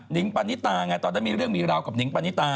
งปานิตาไงตอนนั้นมีเรื่องมีราวกับหิงปณิตา